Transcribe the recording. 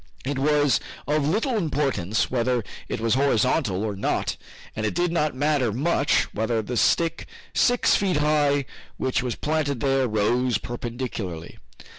It was of little importance whether it was horizontal or not, and it did not matter much whether the stick six feet high, which was planted there, rose perpendicularly.